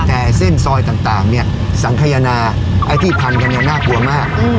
แต่เส้นซอยต่างเนี่ยสังขยนาไอ้ที่พันกันเนี่ยน่ากลัวมาก